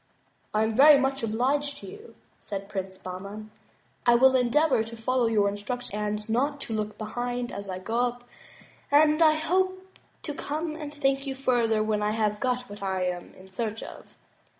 "I am very much obliged to you," said Prince Bahman. "I will endeavor to follow your instructions and not to look behind as I go up and I hope to come and thank you further when I have got what I am in search of."